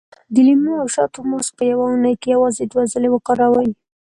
د لیمو او شاتو ماسک په يوه اونۍ کې یوازې دوه ځلې وکاروئ.